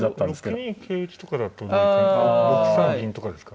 ６二桂打ちとかだと６三銀打とかですか。